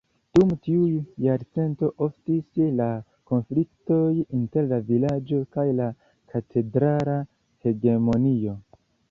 Dum tiuj jarcento oftis la konfliktoj inter la vilaĝo kaj la katedrala hegemonio.